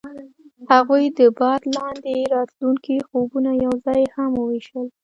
هغوی د باد لاندې د راتلونکي خوبونه یوځای هم وویشل.